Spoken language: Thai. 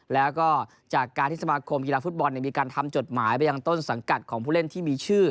แล้วก็จากการที่สมาคมกีฬาฟุตบอลมีการทำจดหมายไปยังต้นสังกัดของผู้เล่นที่มีชื่อ